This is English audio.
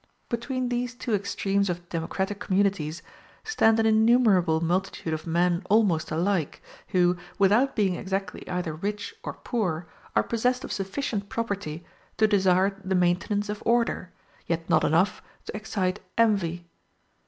Between these two extremes of democratic communities stand an innumerable multitude of men almost alike, who, without being exactly either rich or poor, are possessed of sufficient property to desire the maintenance of order, yet not enough to excite envy.